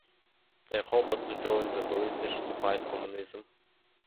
They hoped to join the British to fight Communism.